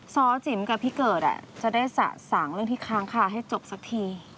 ซ้อจิ๋มกับพี่เกิดจะได้สะสางเรื่องที่ค้างคาให้จบสักที